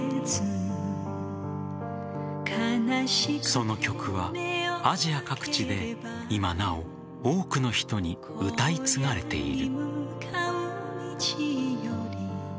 その曲は、アジア各地で今なお多くの人に歌い継がれている。